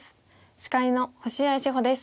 司会の星合志保です。